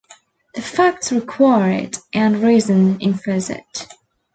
The facts require it, and reason infers it.